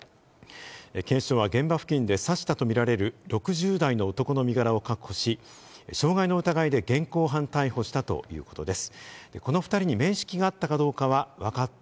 警視庁は現場付近で刺したとみられる６０代の男の身柄を確保し、傷害の疑いで現行犯逮捕したということです。